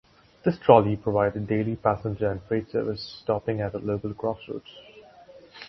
This trolley provided daily passenger and freight service, stopping at a local crossroads.